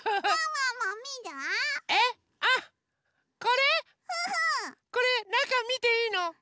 これなかみていいの？いいよ！